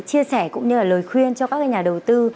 chia sẻ cũng như là lời khuyên cho các nhà đầu tư